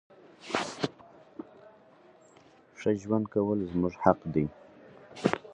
ښه ژوند کول زموږ حق ده.